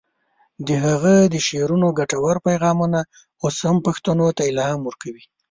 د هغه د شعرونو ګټور پیغامونه اوس هم پښتنو ته الهام ورکوي.